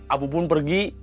abu bun pergi